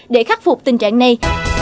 để khắc phục tình trạng này